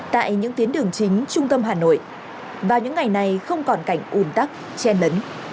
tại những tiến đường chính trung tâm hà nội vào những ngày này không còn cảnh ủng tắc che nấn